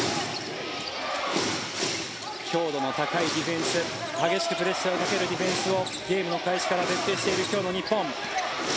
強度の高いディフェンス激しくプレッシャーをかけるディフェンスをゲームの開始から徹底している今日の日本。